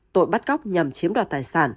tội bắt cóc nhằm chiếm đoạt tài sản